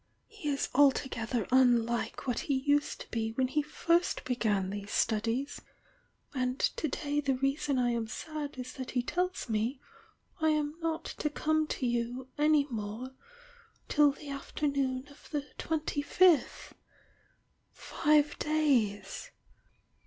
He is altogether unlike what he used to be when he first began these studies— and to day the reason I am sad is that he tells me I am not to come to you any more till the afternoon of the twenty fifth !— five days!